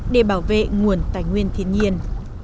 để bảo vệ nguồn tài nguyên thiên nhiên